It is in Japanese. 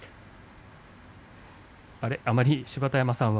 あまり、芝田山さんは。